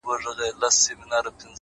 اخلاص د اړیکو ریښتینی بنسټ جوړوي،